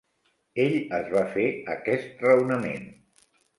Ell es va fer aquest raonament.